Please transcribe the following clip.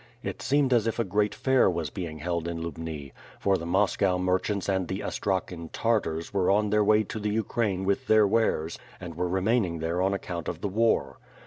It seemed as if a great fair was being held in Lubni, for the Moscow merchants and the Astrakhan Tartars were there on their way to the Ukraine with their wares, and were remaining there on account of the war.